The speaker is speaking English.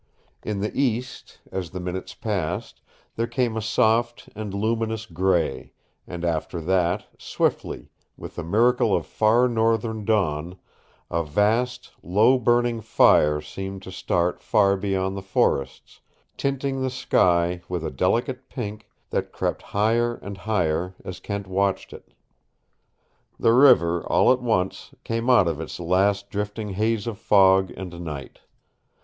In the East, as the minutes passed, there came a soft and luminous gray, and after that, swiftly, with the miracle of far Northern dawn, a vast, low burning fire seemed to start far beyond the forests, tinting the sky with a delicate pink that crept higher and higher as Kent watched it. The river, all at once, came out of its last drifting haze of fog and night.